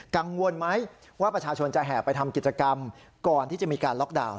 กังวลไหมว่าประชาชนจะแห่ไปทำกิจกรรมก่อนที่จะมีการล็อกดาวน์